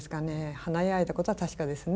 華やいだことは確かですね。